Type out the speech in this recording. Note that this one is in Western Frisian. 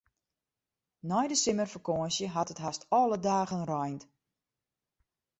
Nei de simmerfakânsje hat it hast alle dagen reind.